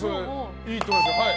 いいと思いますよ。